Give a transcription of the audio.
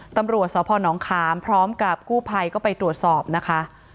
ตำรวจสพนขามพร้อมกับกู้ภัยก็ไปตรวจสอบนะคะ